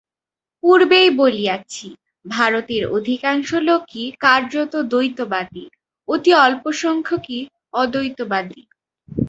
পূর্বেই বলিয়াছি, ভারতের অধিকাংশ লোকই কার্যত দ্বৈতবাদী, অতি অল্পসংখ্যকই অদ্বৈতবাদী।